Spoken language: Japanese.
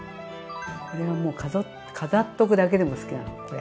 これはもう飾っとくだけでも好きなのこれ。